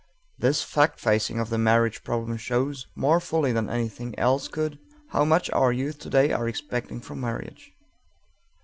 This fact facing of the marriage problem shows, more fully than anything else could, how much our youth today are expecting from marriage.